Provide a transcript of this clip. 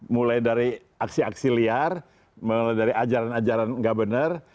mulai dari aksi aksi liar mulai dari ajaran ajaran nggak benar